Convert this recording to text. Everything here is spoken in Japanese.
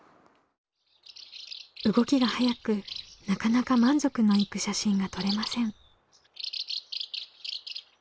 動きが速くなかなか満足のいく写真が撮れません。